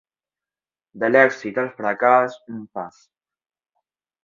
De l'èxit al fracàs, un pas.